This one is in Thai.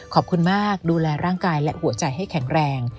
ขอบคุณมากดูแลร่างกายและหัวใจให้แข็งแรง